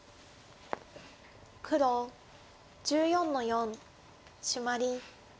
黒１４の四シマリ。